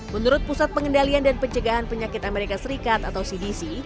menurut pusat pengendalian dan pencegahan penyakit amerika serikat atau cdc